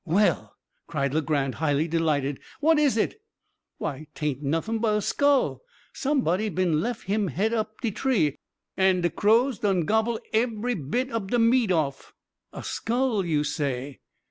"Well!" cried Legrand, highly delighted, "what is it?" "Why, 'taint noffin but a skull somebody bin lef him head up de tree, and de crows done gobble ebery bit ob de meat off." "A skull, you say!